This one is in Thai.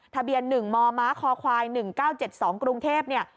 ทะเบียน๑มมคค๑๙๗๒กรุงเทพเนี่ย